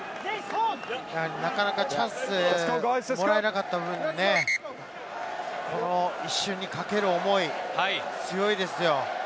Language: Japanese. なかなかチャンスをもらえなかった分、この一瞬にかける思い、強いですよ。